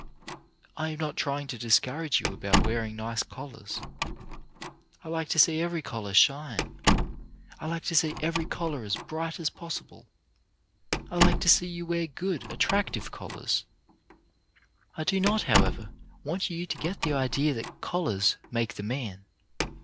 I am not trying to discourage you about wear ing nice collars. I like to see every collar shine. I like to see every collar as bright as possible. I like to see you wear good, attractive collars. I do not, however, want you to get the idea that collars make the man.